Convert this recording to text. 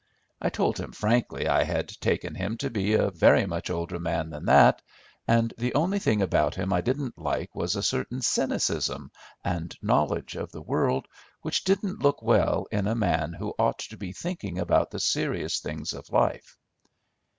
I told him frankly I had taken him to be a very much older man than that, and the only thing about him I didn't like was a certain cynicism and knowledge of the world which didn't look well in a man who ought to be thinking about the serious things of life.